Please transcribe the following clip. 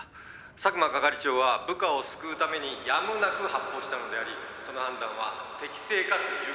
「佐久間係長は部下を救うためにやむなく発砲したのでありその判断は適正かつ勇敢。